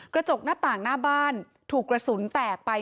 กระจกหน้าต่างหน้าบ้านถูกกระสุนแตกไป